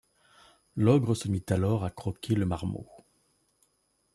L’ogre se mit alors à croquer le marmot.